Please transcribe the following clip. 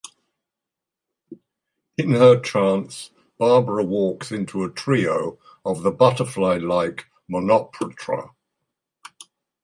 In her trance, Barbara walks into a trio of the butterfly-like Menoptra.